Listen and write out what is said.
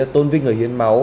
tôn vinh người hiến máu